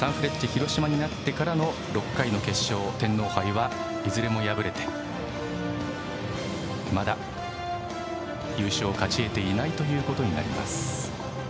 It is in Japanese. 広島になってからの６回の決勝、天皇杯はいずれも敗れて、まだ優勝を勝ち得ていないということになります。